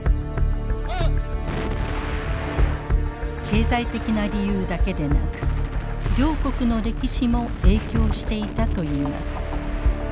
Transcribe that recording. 経済的な理由だけでなく両国の歴史も影響していたといいます。